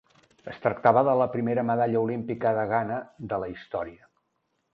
Es tractava de la primera medalla olímpica de Ghana de la història.